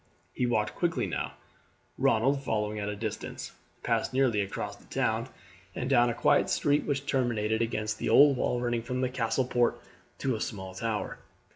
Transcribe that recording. He walked quickly now, and Ronald, following at a distance, passed nearly across the town, and down a quiet street which terminated against the old wall running from the Castle Port to a small tower.